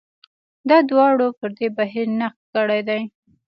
دا دواړو پر دې بهیر نقد کړی دی.